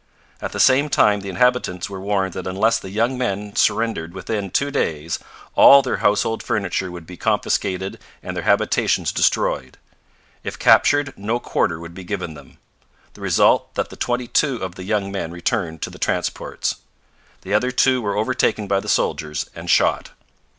At the same time the inhabitants were warned that unless the young men surrendered within two days all their household furniture would be confiscated and their habitations destroyed. If captured, no quarter would be given them. The result was that twenty two of the young men returned to the transports. The other two were overtaken by the soldiers and shot.